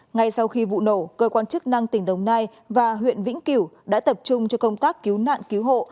ngay sau khi vụ nổ cơ quan chức năng tỉnh đồng nai và huyện vĩnh cửu đã tập trung cho công tác cứu nạn cứu hộ